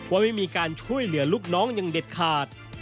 ว่าไม่มีการช่วยเหลือลูกน้องอย่างเด็ดขาด